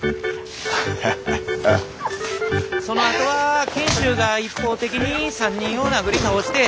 そのあとは賢秀が一方的に３人を殴り倒して。